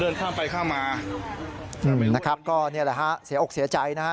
นะครับก็นี่แหละฮะเสียอกเสียใจนะฮะ